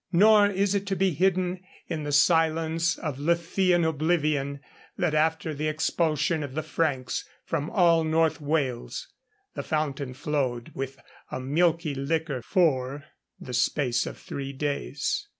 'Nor is it to be hidden in the silence of Lethean oblivion that after the expulsion of the Franks from all North Wales' the fountain flowed with a milky liquor for the space of three days.